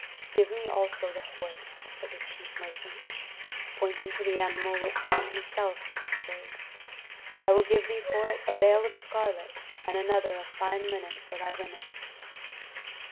"Give me also the horse," said the chief merchant, pointing to the animal which Ben Hesed himself bestrode. "I will give thee for it a bale of scarlet and another of fine linen for thy women."